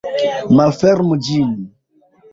Malfermu ĝin.